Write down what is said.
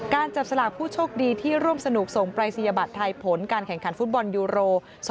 จับสลากผู้โชคดีที่ร่วมสนุกส่งปรายศนียบัตรไทยผลการแข่งขันฟุตบอลยูโร๒๐